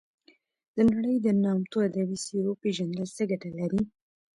د نړۍ د نامتو ادبي څیرو پېژندل څه ګټه لري.